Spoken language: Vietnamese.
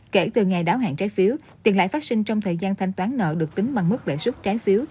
kể từ ngày đáo hạn trái phiếu tiền lại phát sinh trong thời gian thanh toán nợ được tính bằng mức lệ xuất trái phiếu